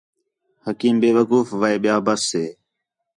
حکیم بے وقوف وہے ٻیاں بس ہے